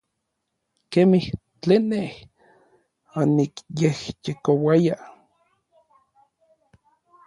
Kemij tlen nej onikyejyekouaya.